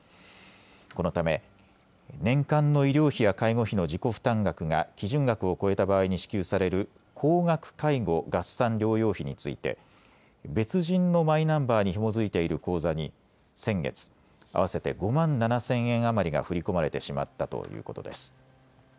このため年間の医療費や介護費の自己負担額が基準額を超えた場合に支給される高額介護合算療養費について別人のマイナンバーにひも付いている口座に先月、合わせて５万７０００円余りが振り込まれてしまったということです。